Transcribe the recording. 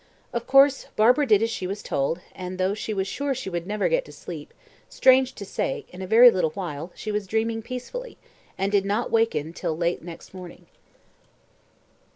Of course, Barbara did as she was told, and, though she was sure she would never get to sleep, strange to say, in a very little while she was dreaming peacefully, and did not waken till late next morning.